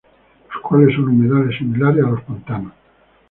Los cuales son humedales similares a los pantanos.